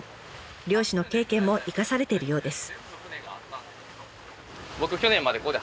漁師の経験も生かされているようです。